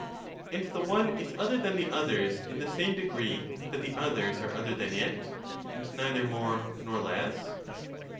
other are And the one is other than the others in the same degree °^^^^"^ one an that the others are other than it, and neither more nor less